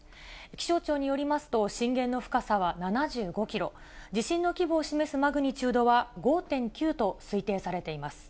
気象庁によりますと、震源の深さは７５キロ、地震の規模を示すマグニチュードは５．９と推定されています。